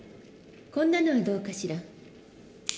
こんなのはどうかしら？